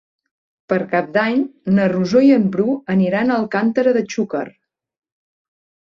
Per Cap d'Any na Rosó i en Bru aniran a Alcàntera de Xúquer.